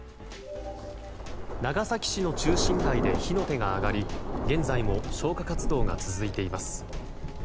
長崎市の中心街で火の手が上がり現在も消火活動が続いています。